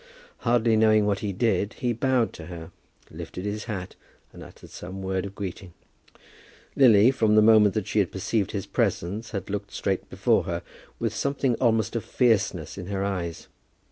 Hardly knowing what he did, he bowed to her, lifted his hat, and uttered some word of greeting. Lily, from the moment that she had perceived his presence, had looked straight before her, with something almost of fierceness in her eyes.